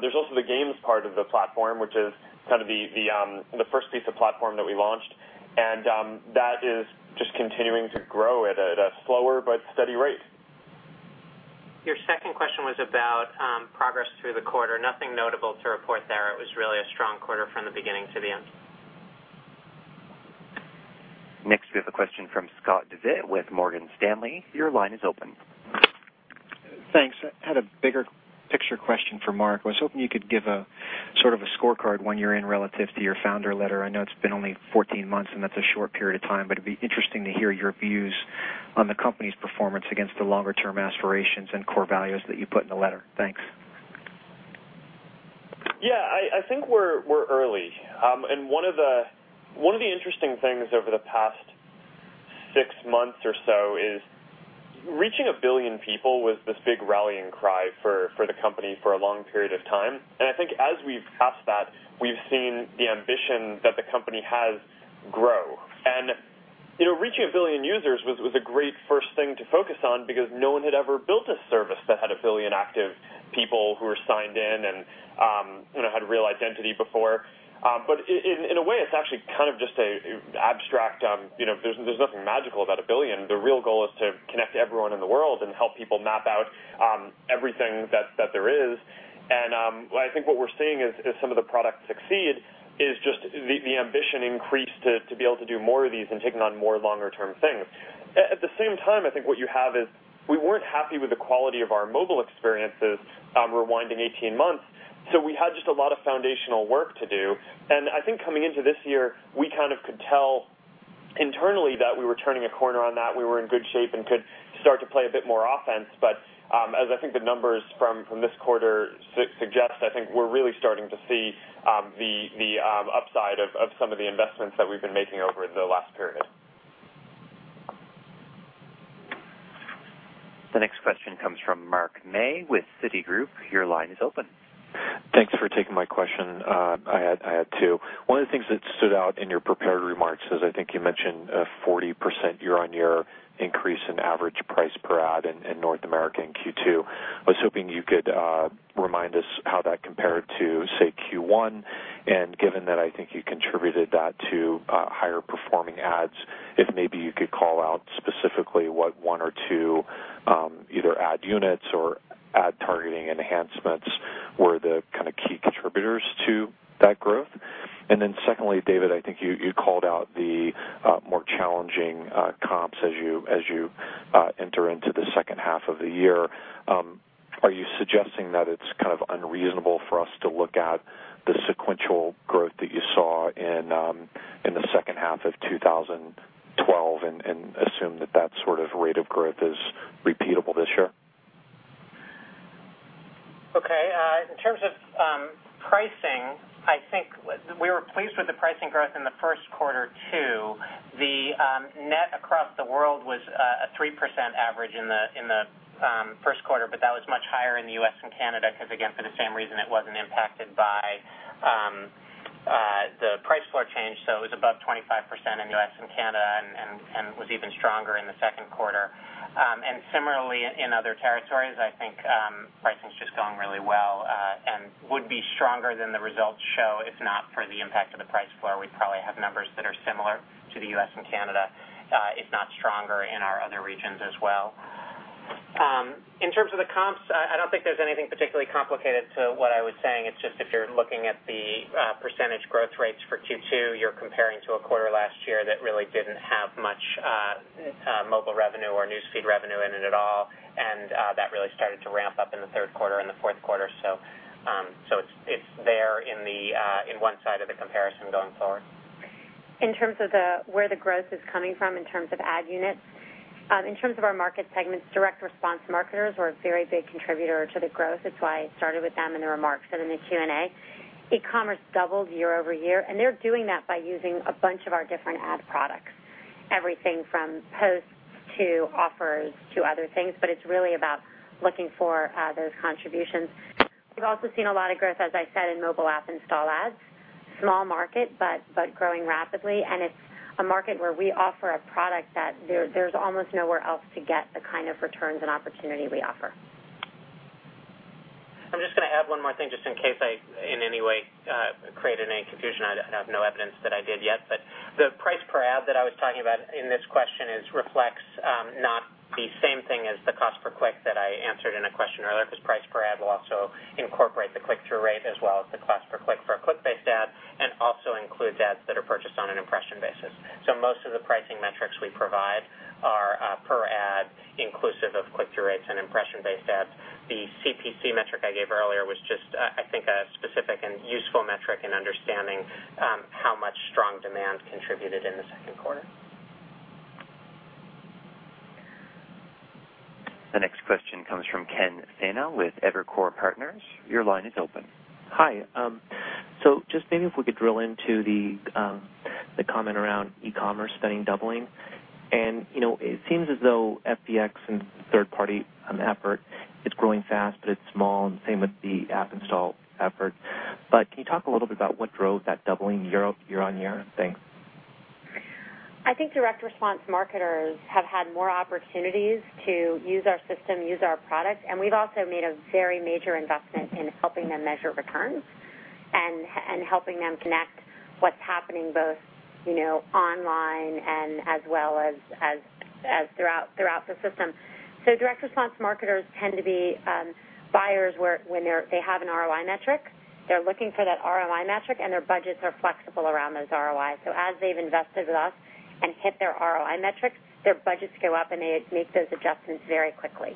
There's also the games part of the platform, which is kind of the first piece of platform that we launched. That is just continuing to grow at a slower but steady rate. Your second question was about progress through the quarter. Nothing notable to report there. It was really a strong quarter from the beginning to the end. Next, we have a question from Scott Devitt with Morgan Stanley. Your line is open. Thanks. I had a bigger picture question for Mark. I was hoping you could give a sort of a scorecard one year in relative to your Founder Letter. I know it's been only 14 months, and that's a short period of time, but it'd be interesting to hear your views on the company's performance against the longer-term aspirations and core values that you put in the letter. Thanks. Yeah, I think we're early. One of the interesting things over the past six months or so is reaching 1 billion people was this big rallying cry for the company for a long period of time. I think as we've passed that, we've seen the ambition that the company has grow. Reaching 1 billion users was a great first thing to focus on because no one had ever built a service that had 1 billion active people who were signed in and had real identity before. In a way, it's actually kind of just abstract. There's nothing magical about 1 billion. The real goal is to connect everyone in the world and help people map out everything that there is. I think what we're seeing as some of the products succeed is just the ambition increased to be able to do more of these and taking on more longer-term things. At the same time, I think what you have is we weren't happy with the quality of our mobile experiences rewinding 18 months. We had just a lot of foundational work to do. I think coming into this year, we kind of could tell internally that we were turning a corner on that. We were in good shape and could start to play a bit more offense. As I think the numbers from this quarter suggest, I think we're really starting to see the upside of some of the investments that we've been making over the last period. The next question comes from Mark May with Citigroup. Your line is open. Thanks for taking my question. I had two. One of the things that stood out in your prepared remarks is I think you mentioned a 40% year-over-year increase in average price per ad in North America in Q2. I was hoping you could remind us how that compared to, say, Q1, and given that I think you contributed that to higher-performing ads, if maybe you could call out specifically what one or two either ad units or ad targeting enhancements were the kind of key contributors to that growth. Secondly, David, I think you called out the more challenging comps as you enter into the second half of the year. Are you suggesting that it's kind of unreasonable for us to look at the sequential growth that you saw in the second half of 2012 and assume that sort of rate of growth is repeatable this year? Okay. In terms of pricing, I think we were pleased with the pricing growth in the first quarter, too. The net across the world was a 3% average in the first quarter, but that was much higher in the U.S. and Canada, because again, for the same reason, it wasn't impacted by the price floor change. It was above 25% in the U.S. and Canada and was even stronger in the second quarter. Similarly, in other territories, I think pricing's just going really well and would be stronger than the results show if not for the impact of the price floor. We'd probably have numbers that are similar to the U.S. and Canada if not stronger in our other regions as well. In terms of the comps, I don't think there's anything particularly complicated to what I was saying. It's just if you're looking at the % growth rates for Q2, you're comparing to a quarter last year that really didn't have much mobile revenue or News Feed revenue in it at all. That really started to ramp up in the third quarter and the fourth quarter. It's there in one side of the comparison going forward. In terms of where the growth is coming from in terms of ad units, in terms of our market segments, direct response marketers were a very big contributor to the growth. That's why I started with them in the remarks and in the Q&A. E-commerce doubled year-over-year, and they're doing that by using a bunch of our different ad products, everything from posts to offers to other things, but it's really about looking for those contributions. We've also seen a lot of growth, as I said, in mobile app install ads. Small market, but growing rapidly, and it's a market where we offer a product that there's almost nowhere else to get the kind of returns and opportunity we offer. I'm just going to add one more thing just in case I, in any way created any confusion. I have no evidence that I did yet, but the price per ad that I was talking about in this question reflects not the same thing as the cost per click that I answered in a question earlier, because price per ad will also incorporate the click-through rate as well as the cost per click for a click-based ad, and also includes ads that are purchased on an impression basis. Most of the pricing metrics we provide are per ad, inclusive of click-through rates and impression-based ads. The CPC metric I gave earlier was just, I think, a specific and useful metric in understanding how much strong demand contributed in the second quarter. The next question comes from Ken Sena with Evercore Partners. Your line is open. Hi. Just maybe if we could drill into the comment around e-commerce spending doubling. It seems as though FBX and third-party effort is growing fast, but it's small, and the same with the app install effort. Can you talk a little bit about what drove that doubling year-on-year? Thanks. I think direct response marketers have had more opportunities to use our system, use our product, and we've also made a very major investment in helping them measure returns and helping them connect what's happening both online and as well as throughout the system. Direct response marketers tend to be buyers when they have an ROI metric. They're looking for that ROI metric, and their budgets are flexible around those ROIs. As they've invested with us and hit their ROI metrics, their budgets go up, and they make those adjustments very quickly.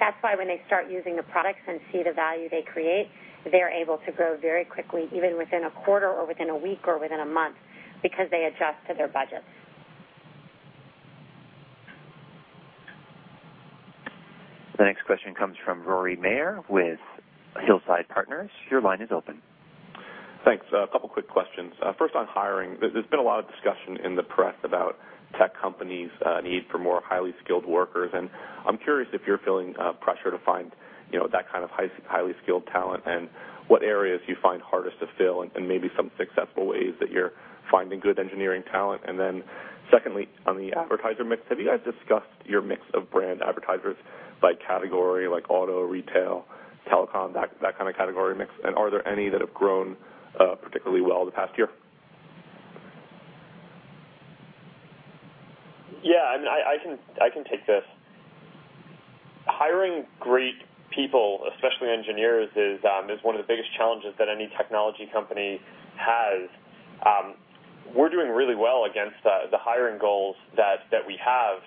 That's why when they start using the products and see the value they create, they're able to grow very quickly, even within a quarter or within a week or within a month, because they adjust to their budgets. The next question comes from Rory Maher with Hillside Partners. Your line is open. Thanks. A couple quick questions. First on hiring. There's been a lot of discussion in the press about tech companies' need for more highly skilled workers, I'm curious if you're feeling pressure to find that kind of highly skilled talent and what areas you find hardest to fill and maybe some successful ways that you're finding good engineering talent. Then secondly, on the advertiser mix, have you guys discussed your mix of brand advertisers by category, like auto, retail, telecom, that kind of category mix? Are there any that have grown particularly well the past year? Yeah, I can take this. Hiring great people, especially engineers, is one of the biggest challenges that any technology company has. We're doing really well against the hiring goals that we have.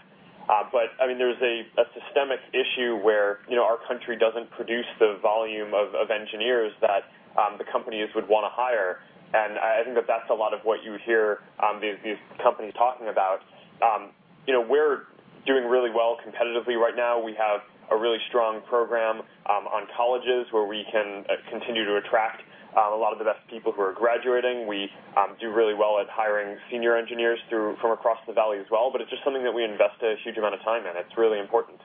There's a systemic issue where our country doesn't produce the volume of engineers that the companies would want to hire. I think that's a lot of what you hear these companies talking about. We're doing really well competitively right now. We have a really strong program on colleges where we can continue to attract a lot of the best people who are graduating. We do really well at hiring senior engineers from across the valley as well. It's just something that we invest a huge amount of time in. It's really important.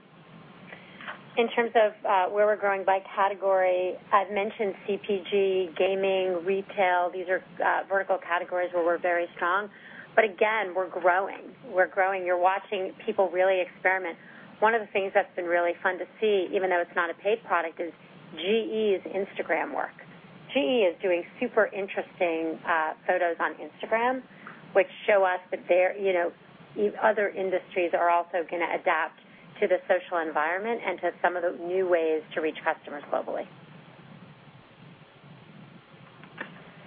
In terms of where we're growing by category, I've mentioned CPG, gaming, retail. These are vertical categories where we're very strong. Again, we're growing. You're watching people really experiment. One of the things that's been really fun to see, even though it's not a paid product, is GE's Instagram work. GE is doing super interesting photos on Instagram, which show us that other industries are also going to adapt to the social environment and to some of the new ways to reach customers globally.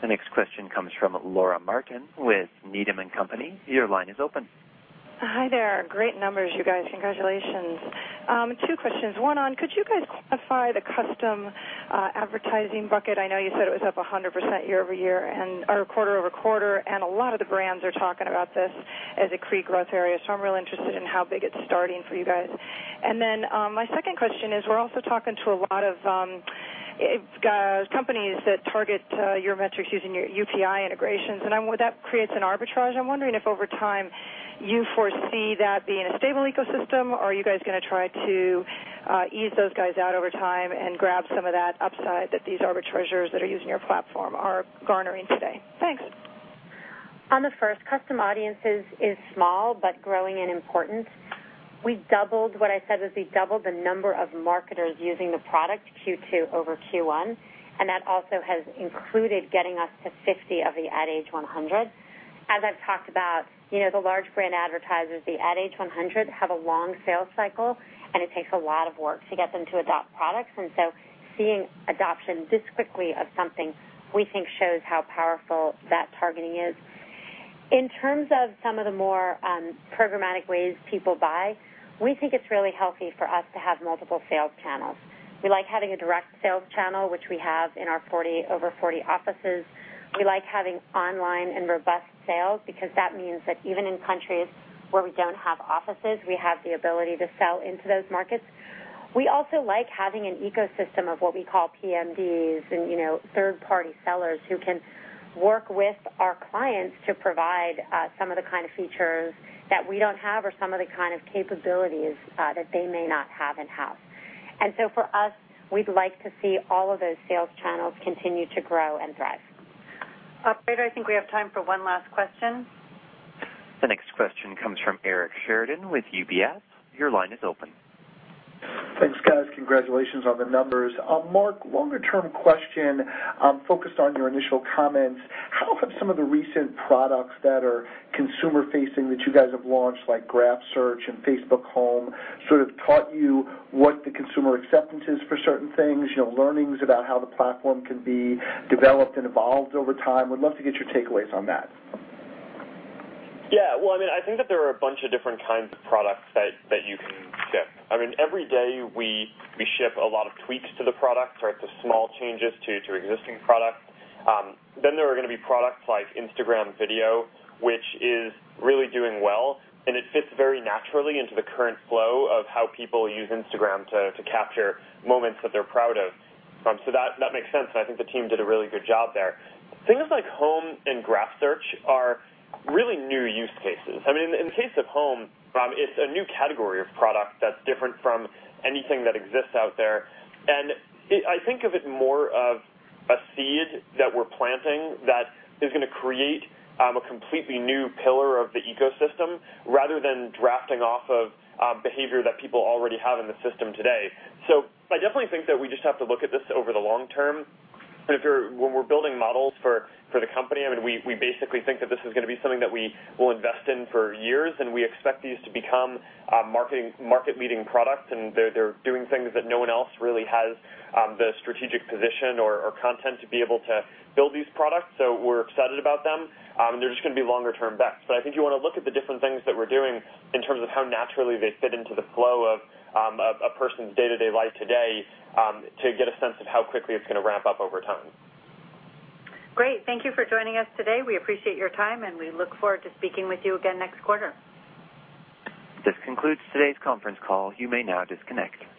The next question comes from Laura Martin with Needham & Company. Your line is open. Hi there. Great numbers, you guys. Congratulations. Two questions. One, could you guys clarify the Custom Audiences bucket? I know you said it was up 100% quarter-over-quarter, and a lot of the brands are talking about this as a key growth area, so I'm real interested in how big it's starting for you guys. My second question is, we're also talking to a lot of companies that target your metrics using your API integrations, and that creates an arbitrage. I'm wondering if over time you foresee that being a stable ecosystem, or are you guys going to try to ease those guys out over time and grab some of that upside that these arbitragers that are using your platform are garnering today? Thanks. On the first, Custom Audiences is small but growing in importance. What I said was we doubled the number of marketers using the product Q2 over Q1, that also has included getting us to 50 of the Ad Age 100. As I've talked about, the large brand advertisers, the Ad Age 100, have a long sales cycle, it takes a lot of work to get them to adopt products. Seeing adoption this quickly of something we think shows how powerful that targeting is. In terms of some of the more programmatic ways people buy, we think it's really healthy for us to have multiple sales channels. We like having a direct sales channel, which we have in our over 40 offices. We like having online and robust sales because that means that even in countries where we don't have offices, we have the ability to sell into those markets. We also like having an ecosystem of what we call PMDs and third-party sellers who can work with our clients to provide some of the kind of features that we don't have or some of the kind of capabilities that they may not have in-house. For us, we'd like to see all of those sales channels continue to grow and thrive. Operator, I think we have time for one last question. The next question comes from Eric Sheridan with UBS. Your line is open. Thanks, guys. Congratulations on the numbers. Mark, longer-term question focused on your initial comments. How have some of the recent products that are consumer-facing that you guys have launched, like Graph Search and Facebook Home, sort of taught you what the consumer acceptance is for certain things, learnings about how the platform can be developed and evolved over time? Would love to get your takeaways on that. Yeah. Well, I think that there are a bunch of different kinds of products that you can ship. Every day, we ship a lot of tweaks to the product, so it's the small changes to existing products. There are going to be products like Instagram Video, which is really doing well, and it fits very naturally into the current flow of how people use Instagram to capture moments that they're proud of. That makes sense, and I think the team did a really good job there. Things like Home and Graph Search are really new use cases. In the case of Home, it's a new category of product that's different from anything that exists out there. I think of it more of a seed that we're planting that is going to create a completely new pillar of the ecosystem rather than drafting off of behavior that people already have in the system today. I definitely think that we just have to look at this over the long term. When we're building models for the company, we basically think that this is going to be something that we will invest in for years, and we expect these to become market-leading products, and they're doing things that no one else really has the strategic position or content to be able to build these products. We're excited about them. They're just going to be longer-term bets. I think you want to look at the different things that we're doing in terms of how naturally they fit into the flow of a person's day-to-day life today to get a sense of how quickly it's going to ramp up over time. Great. Thank you for joining us today. We appreciate your time, and we look forward to speaking with you again next quarter. This concludes today's conference call. You may now disconnect.